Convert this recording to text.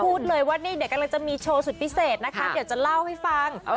พูดเลยว่านี่เดี๋ยวกำลังจะมีโชว์สุดพิเศษนะคะเดี๋ยวจะเล่าให้ฟัง